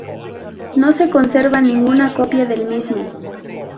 No se conserva ninguna copia del mismo.